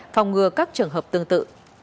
phòng ngừa các trường hợp tương tự